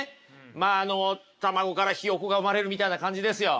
まああの卵からひよこが生まれるみたいな感じですよ。